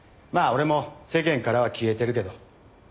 まあ俺も世間からは消えてるけど。